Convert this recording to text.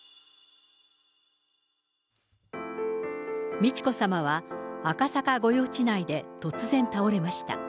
美智子さまは赤坂御用地内で突然倒れました。